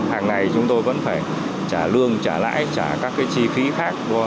hàng ngày chúng tôi vẫn phải trả lương trả lãi trả các chi phí khác